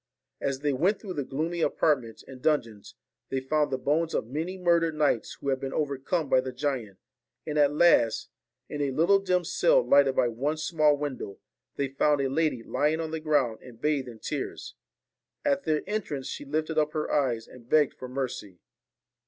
As they went through the gloomy apartments and dungeons, they found the bones of many murdered knights who had been overcome by the giant, and at last, in a little dim cell lighted by one small window, they found a lady lying on the ground and bathed in tears. At their entrance she lifted up her eyes and begged for mercy.